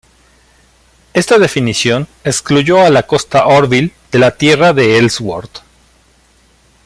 Esta definición excluyó a la costa Orville de la Tierra de Ellsworth.